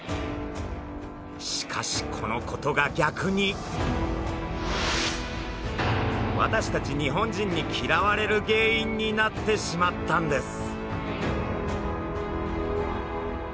しかしこのことが逆に私たち日本人に嫌われる原因になってしまったんです。